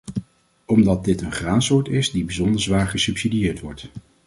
Omdat dit een graansoort is die bijzonder zwaar gesubsidieerd wordt.